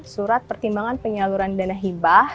surat pertimbangan penyaluran dana hibah